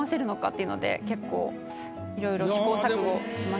いうので結構いろいろ試行錯誤しました。